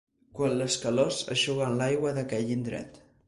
...quan les calors eixuguen l'aigua d'aquell indret.